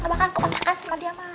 kamu makan kepatakan sama dia mak